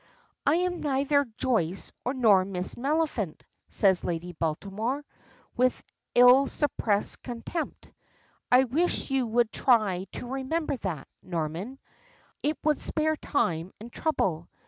"I am neither Joyce nor Miss Maliphant," says Lady Baltimore, with ill suppressed contempt. "I wish you would try to remember that, Norman; it would spare time and trouble.